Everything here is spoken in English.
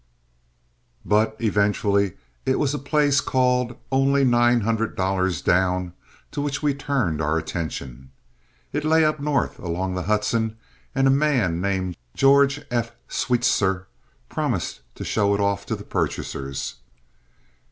But eventually it was a place called Only Nine Hundred Dollars Down to which we turned our attention. It lay up north along the Hudson and a man named George F. Sweetser promised to show it off to purchasers.